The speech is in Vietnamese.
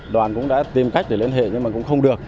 đoàn cũng đã tìm cách để liên hệ nhưng mà cũng không được